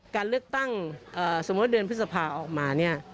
การเลือกตั้งสมมุติเดือนพฤษภาออกมาเนี่ย